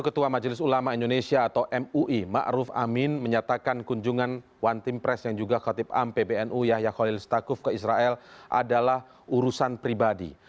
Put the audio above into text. ketua majelis ulama indonesia atau mui ⁇ maruf ⁇ amin menyatakan kunjungan one team press yang juga khotib am pbnu yahya khalilistakuf ke israel adalah urusan pribadi